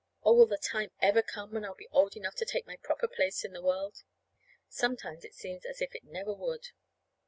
Oh, will the time ever come when I'll be old enough to take my proper place in the world? Sometimes it seems as if it never would!